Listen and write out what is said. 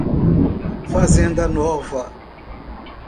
Fazenda Nova